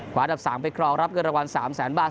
อันดับ๓ไปครองรับเงินรางวัล๓แสนบาท